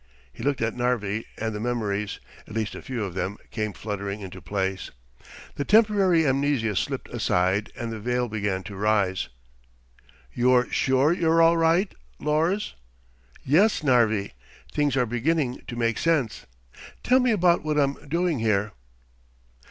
He looked at Narvi and the memories, at least a few of them, came fluttering into place. The temporary amnesia slipped aside and the veil began to rise. "You're sure you're all right, Lors?" "Yes, Narvi. Things are beginning to make sense. Tell me about what I'm doing here."